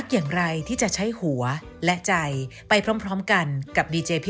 สวัสดีค่ะ